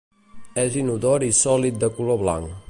És inodor i sòlid de color blanc.